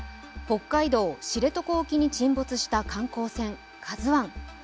北海道・知床沖に沈没した観光船「ＫＡＺＵⅠ」。